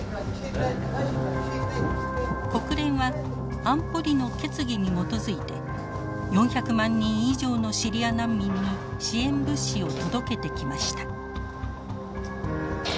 国連は安保理の決議に基づいて４００万人以上のシリア難民に支援物資を届けてきました。